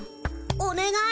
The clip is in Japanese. おねがい！